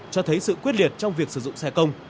cho thấy sự quyết liệt trong việc sử dụng xe công